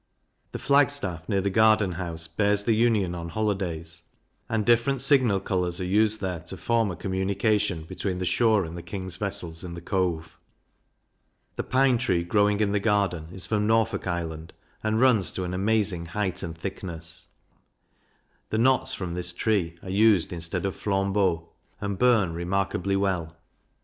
The Flag staff near the gardenhouse bears the Union on holidays, and different signal colours are used there to form a communication between the shore and the king's vessels in the Cove. The Pine tree growing in the garden is from Norfolk Island, and runs to an amazing height and thickness; the knots from this tree are used instead of flambeaux, and burn remarkably well.